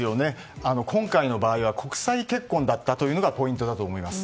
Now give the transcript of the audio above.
今回の場合国際結婚だったのがポイントだと思います。